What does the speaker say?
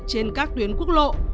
trên các tuyến quốc lộ